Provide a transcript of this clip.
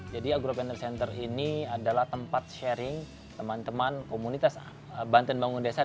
jadi agro preneur center ini adalah tempat sharing teman teman komunitas banten bangun desa